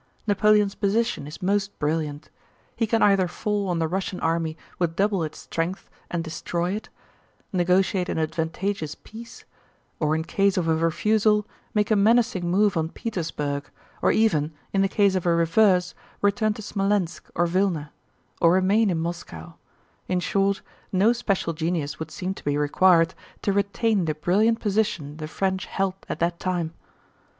Napoleon's position is most brilliant. He can either fall on the Russian army with double its strength and destroy it; negotiate an advantageous peace, or in case of a refusal make a menacing move on Petersburg, or even, in the case of a reverse, return to Smolénsk or Vílna; or remain in Moscow; in short, no special genius would seem to be required to retain the brilliant position the French held at that time.